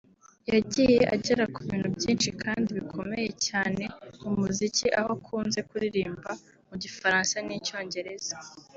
yagiye agera ku bintu byinshi kandi bikomeye cyane mu muziki aho akunze kuririmba mu gifaransa n’icyongereza